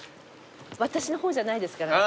私の方じゃないですからね。